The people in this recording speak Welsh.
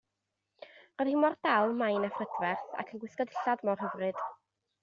Roedd hi mor dal, main a phrydferth ac yn gwisgo dillad mor hyfryd.